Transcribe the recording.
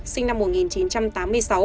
sinh năm một nghìn chín trăm tám mươi sáu